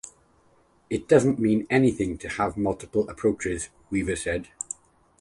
"It doesn't mean anything to have multiple approaches," Weaver said.